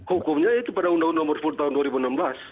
hukumnya itu pada undang undang nomor sepuluh tahun dua ribu enam belas